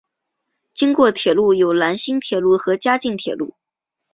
经过铁路有兰新铁路和嘉镜铁路。